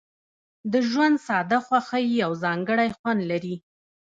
د ژوند ساده خوښۍ یو ځانګړی خوند لري.